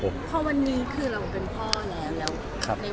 เพราะวันนี้คือเราเป็นพ่อแล้วแล้ว